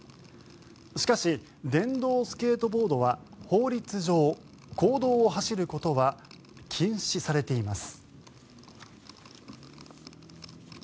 しかし、電動スケートボードは法律上公道を走ることは禁止されています。